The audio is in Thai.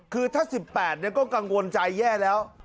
คือถ้า๑๘ก็กังวลใจแย่แล้ว